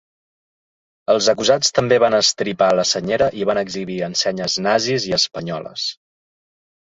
Els acusats també van estripar la senyera i van exhibir ensenyes nazis i espanyoles.